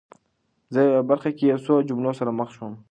زه یوې برخه کې یو څو جملو سره مخ شوم